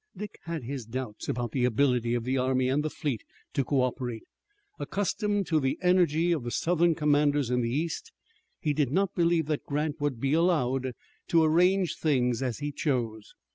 Dick had his doubts about the ability of the army and the fleet to co operate. Accustomed to the energy of the Southern commanders in the east he did not believe that Grant would be allowed to arrange things as he chose.